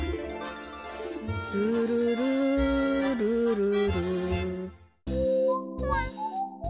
ルルルルルル。